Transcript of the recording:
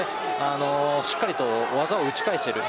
しっかりと技を打ち返している。